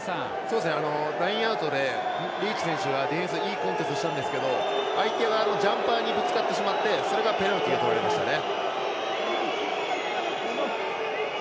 ラインアウトでリーチ選手がディフェンスにいいコンテストしたんですけど相手側のジャンパーにぶつかってしまってそれがペナルティとられましたね。